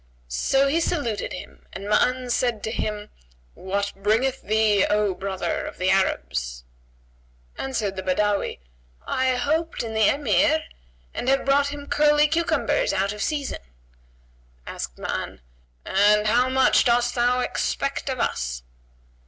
So he saluted him and Ma'an said to him "What bringeth thee, O brother of the Arabs?" Answered the Badawi, "I hoped in the Emir, and have brought him curly cucumbers out of season." Asked Ma'an, "And how much dost thou expect of us?"